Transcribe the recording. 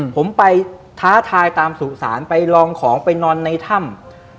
ผมไปท้าทายตามสุสานไปลองของไปนอนในถ้ำ